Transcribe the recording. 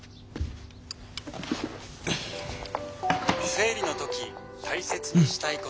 「生理の時大切にしたいこと。